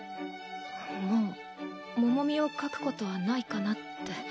もうモモミを描くことはないかなって。